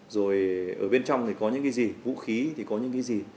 rồi ở bên trong thì có những cái gì vũ khí thì có những cái gì